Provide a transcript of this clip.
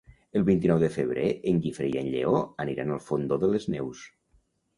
El vint-i-nou de febrer en Guifré i en Lleó aniran al Fondó de les Neus.